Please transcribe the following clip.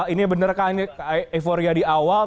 ini benarkah ini euforia di awal